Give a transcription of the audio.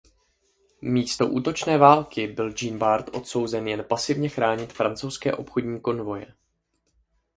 Místo útočné války byl Jean Bart odsouzen jen pasivně chránit francouzské obchodní konvoje.